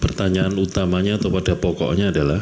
pertanyaan utamanya atau pada pokoknya adalah